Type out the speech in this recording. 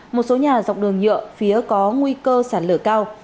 một số nhà dọc đường nhựa phía có nguy cơ sản lửa cao